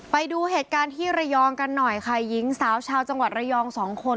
ไปดูเหตุการณ์ที่ระยองกันหน่อยค่ะหญิงสาวชาวจังหวัดระยองสองคน